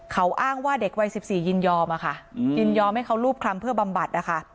เขาอ้างว่าเด็กวัย๑๔ยินยอมอะค่ะยินยอมให้เขารูปคลำเพื่อบำบัดนะคะ